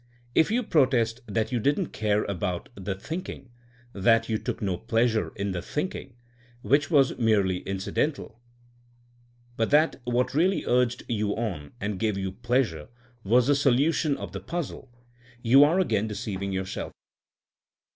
If yon protest that yon didn't care about the thinking, that yoa took no pleasure in the think ing, which was merely incidental, but that what really urged you on and gave you pleas ure was the solution of the puzzle, yon are again deceiving yourself.